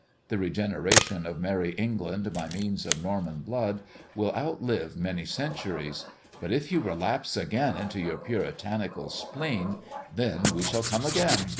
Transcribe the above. The regeneration of merry England, by means of Norman blood, will outlive many centuries. But if you relapse again into your puritanical spleen, then we shall come again.